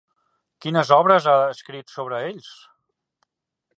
Quines obres ha escrit sobre ells?